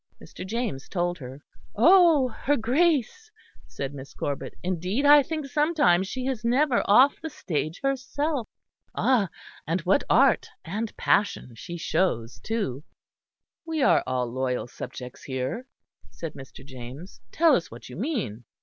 Mr. James told her. "Oh, her Grace!" said Miss Corbet. "Indeed, I think sometimes she is never off the stage herself. Ah! and what art and passion she shows too!" "We are all loyal subjects here," said Mr. James; "tell us what you mean."